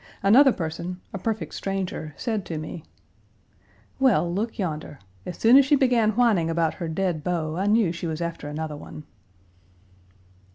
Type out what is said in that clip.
Another person, a perfect stranger, said to me, "Well, look yonder. As soon as she began whining about her dead beau I knew she was after another one."